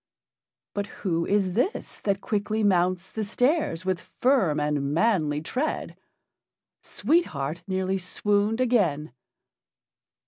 But who is this that quickly mounts the stairs with firm and manly tread? Sweet Heart nearly swooned again.